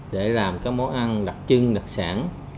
để làm các món ăn đặc trưng đặc sản